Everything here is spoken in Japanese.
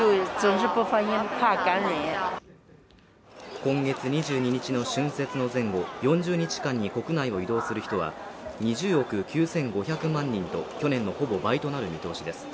今月２２日の春節の前後４０日間に国内を移動する人は２０億９５００万人と去年のほぼ倍となる見通しです